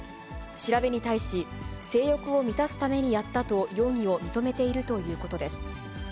調べに対し、性欲を満たすためにやったと、容疑を認めているということです。